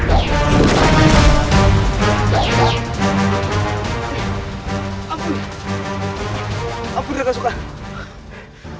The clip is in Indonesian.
ampuni raka soekar